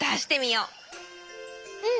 うん。